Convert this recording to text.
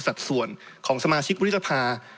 สัดส่วนของสมาชิกวุฒิสภา